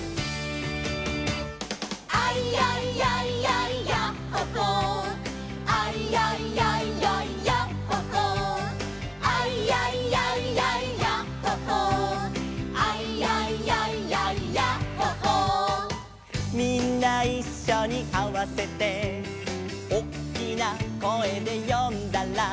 「アイヤイヤイヤイヤッホ・ホー」「アイヤイヤイヤイヤッホ・ホー」「アイヤイヤイヤイヤッホ・ホー」「アイヤイヤイヤイヤッホ・ホー」「みんないっしょにあわせて」「おっきな声で呼んだら」